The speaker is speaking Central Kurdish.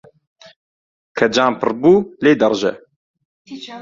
کە جام پڕ بوو، لێی دەڕژێ.